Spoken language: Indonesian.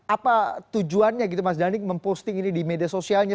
apa tujuannya gitu mas dhani memposting ini di media sosialnya